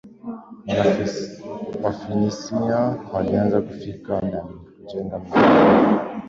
Wafinisia walianza kufika na kujenga miji yao